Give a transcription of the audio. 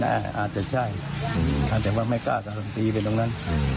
อาจจะใช่อาจจะว่าไม่กล้าการันตีไปตรงนั้น